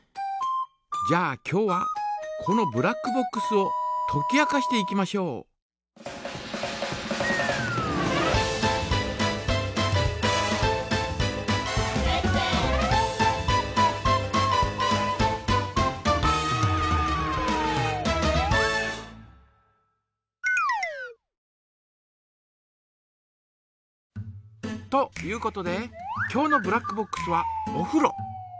じゃあ今日はこのブラックボックスをとき明かしていきましょう。ということで今日のブラックボックスはおふろ。